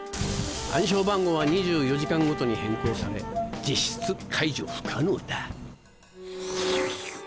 暗証番号は２４時間ごとに変更され実質解除不可能だ。